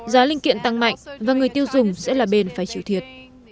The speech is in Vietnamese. giá linh kiện tăng mạnh và người tiêu dùng sẽ là bên phải chịu thiệt